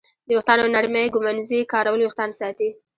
د ویښتانو نرمې ږمنځې کارول وېښتان ساتي.